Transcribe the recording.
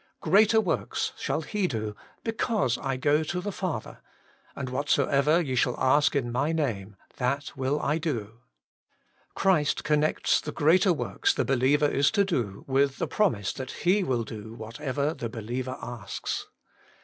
' Greater works Working for God 49 shall he do, because I go to the Father, and whatsoever ye shall ask in My name, that zvill I do/ Christ connects the greater works the believer is to do, with the promise that He zvill do whatever the believer asks.